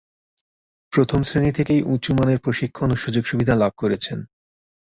প্রথম শ্রেণী থেকেই উঁচুমানের প্রশিক্ষণ ও সুযোগ-সুবিধা লাভ করেছেন।